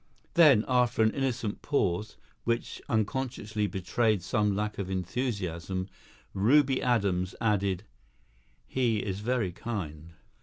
Then, after an innocent pause, which unconsciously betrayed some lack of enthusiasm, Ruby Adams added: "He is very kind."